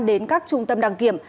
đến các trung tâm đăng kiểm